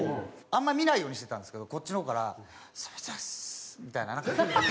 あんまり見ないようにしてたんですけどこっちの方から「サム」みたいななんか。